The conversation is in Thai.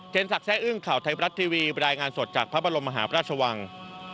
เชนศักดิ์แซ่อึ้งข่าวไทยบรัฐทีวีบรายงานสดจากพระบรมมหาวิทยาลัยธรรมศาสตร์